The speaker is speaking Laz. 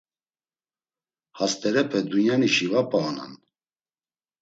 Hast̆erepe dunyanişi va p̌a onan.